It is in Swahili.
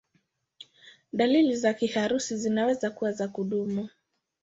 Dalili za kiharusi zinaweza kuwa za kudumu.